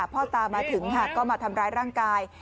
พ่อตามาถึงค่ะก็มาทำร้ายร่างกาย